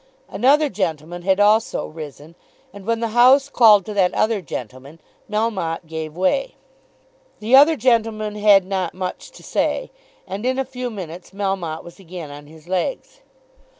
Another gentleman had also risen, and when the House called to that other gentleman Melmotte gave way. The other gentleman had not much to say, and in a few minutes Melmotte was again on his legs.